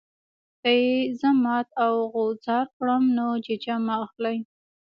که یې زه مات او غوځار کړم نو ججه مه اخلئ.